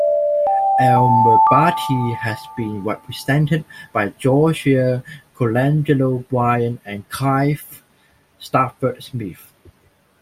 Al Murbati has been represented by Joshua Colangelo-Bryan and Clive Stafford Smith.